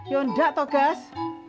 ya udah tuh gas